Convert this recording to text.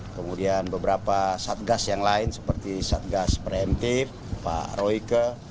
kemudian beberapa satgas yang lain seperti satgas preemptif pak royke